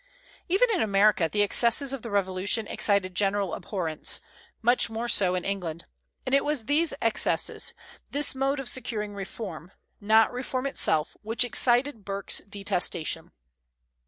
Even in America the excesses of the Revolution excited general abhorrence; much more so in England. And it was these excesses, this mode of securing reform, not reform itself, which excited Burke's detestation.